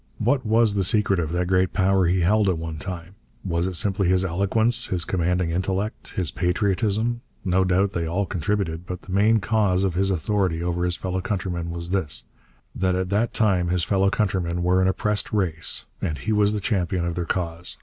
What was the secret of that great power he held at one time? Was it simply his eloquence, his commanding intellect, his pure patriotism? No doubt they all contributed, but the main cause of his authority over his fellow countrymen was this, that at that time his fellow countrymen were an oppressed race, and he was the champion of their cause.